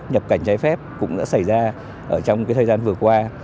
nhập cảnh trái phép cũng đã xảy ra trong thời gian vừa qua